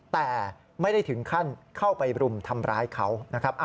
แต่ไม่ได้ถึงขั้นเข้าไปรุมทำร้ายเขานะครับ